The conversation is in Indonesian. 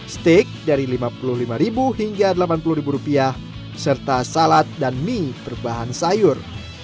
steak dari rp lima puluh lima hingga rp delapan puluh serta salad dan mie berbahan sayur